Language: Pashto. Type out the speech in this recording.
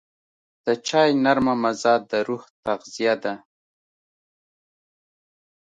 د چای نرمه مزه د روح تغذیه ده.